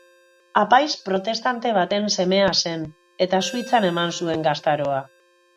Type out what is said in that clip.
Apaiz protestante baten semea zen eta Suitzan eman zuen gaztaroa.